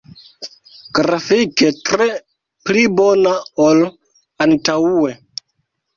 Grafike tre pli bona ol antaŭe.